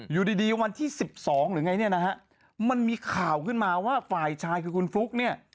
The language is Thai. อยู่ดีวันที่๑๒มันมีข่าวขึ้นมาว่าฝ่ายชายคือคุณฟุ๊ก